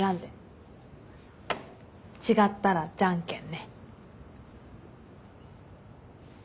違ったらじゃんけんね。